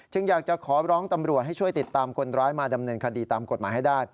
อยากจะขอร้องตำรวจให้ช่วยติดตามคนร้ายมาดำเนินคดีตามกฎหมายให้ได้